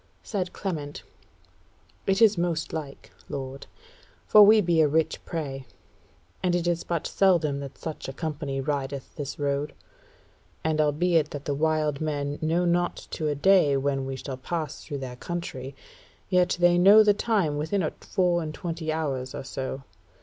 Said Clement: "It is most like, lord; for we be a rich prey, and it is but seldom that such a company rideth this road. And albeit that the wild men know not to a day when we shall pass through their country, yet they know the time within a four and twenty hours or so.